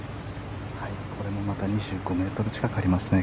これもまた２５ｍ近くありますね。